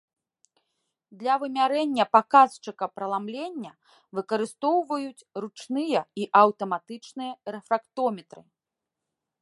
Для вымярэння паказчыка праламлення выкарыстоўваюць ручныя і аўтаматычныя рэфрактометры.